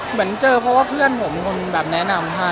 เหมือนเจอเพราะว่าเพื่อนผมเป็นคนแบบแนะนำให้